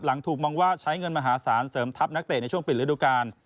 ถูกมองว่าใช้เงินมหาศาลเสริมทัพนักเตะในช่วงปิดฤดูกาล